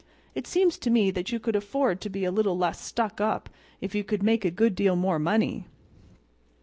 It seems to me that you could afford to be a little less stuck up if you could make a good deal more money."